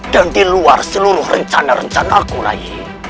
dan di luar seluruh rencana rencana aku rayi